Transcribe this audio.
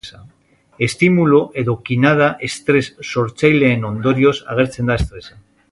Estimulu edo kinada estres sortzaileen ondorioz agertzen da estresa.